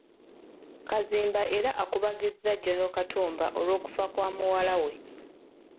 Kazimba era akubagizza General Katumba olw'okufa kwa muwala we.